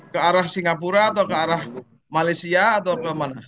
ke arah singapura atau ke arah malaysia atau kemana